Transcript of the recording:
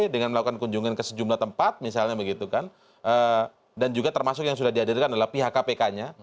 dengan melakukan kunjungan ke sejumlah tempat misalnya begitu kan dan juga termasuk yang sudah dihadirkan adalah pihak kpk nya